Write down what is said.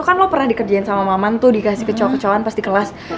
kan lo pernah dikerjain sama mama tuh dikasih kecauan kecauan pas di kelas